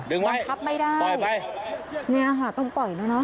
ดึงไว้ปล่อยไปนี่ค่ะต้องปล่อยแล้วนะ